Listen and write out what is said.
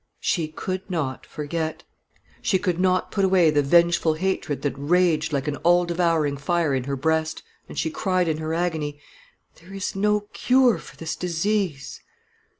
She could not forget. She could not put away the vengeful hatred that raged like an all devouring fire in her breast, and she cried in her agony, "There is no cure for this disease!"